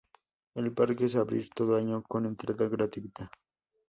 El parque es abrir todo año con entrada gratuita.